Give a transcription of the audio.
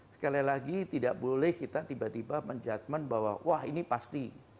sekali lagi tidak boleh kita tiba tiba menjudgement bahwa wah ini pasti